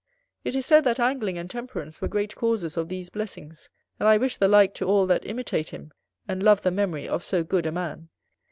It is said that Angling and temperance were great causes of these blessings; and I wish the like to all that imitate him, and love the memory of so good a man.